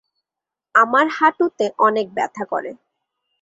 আমার হাঁটুতে অনেক ব্যথা করে।